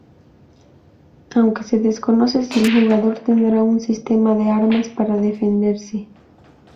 Aún se desconoce si el jugador tendrá un sistema de armas para defenderse.